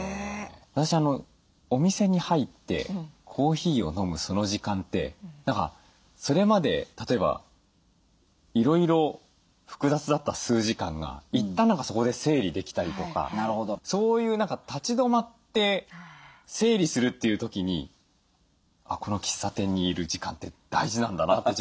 私お店に入ってコーヒーを飲むその時間ってそれまで例えばいろいろ複雑だった数時間が一旦そこで整理できたりとかそういう立ち止まって整理するという時にこの喫茶店にいる時間って大事なんだなって